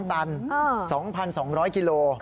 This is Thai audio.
ตัน๒๒๐๐กิโล